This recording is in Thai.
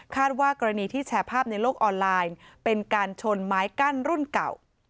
ว่ากรณีที่แชร์ภาพในโลกออนไลน์เป็นการชนไม้กั้นรุ่นเก่า